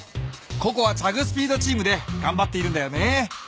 ココはチャグ・スピードチームでがんばっているんだよね。